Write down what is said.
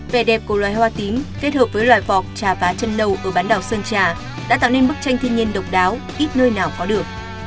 vẻ đẹp của loài hoa tím kết hợp với loài vọc trà vá chân nâu ở bán đảo sơn trà đã tạo nên bức tranh thiên nhiên độc đáo ít nơi nào có được